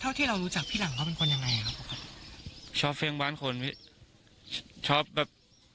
เท่าที่เรารู้จักพี่หลังว่าเป็นคนยังไงเชิญวเครื่องบ้านคนชอบแบบ